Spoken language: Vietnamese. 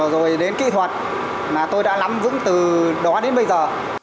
rồi đến kỹ thuật mà tôi đã lắm vững từ đó đến bây giờ